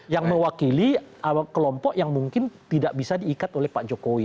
dan di sekili kelompok yang mungkin tidak bisa diikat oleh pak jokowi